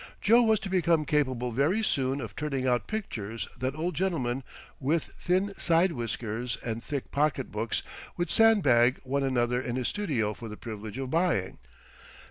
Joe was to become capable very soon of turning out pictures that old gentlemen with thin side whiskers and thick pocketbooks would sandbag one another in his studio for the privilege of buying.